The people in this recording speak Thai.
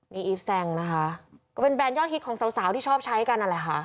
นี่อีฟแซงนะคะก็เป็นแบรนดยอดฮิตของสาวที่ชอบใช้กันนั่นแหละค่ะ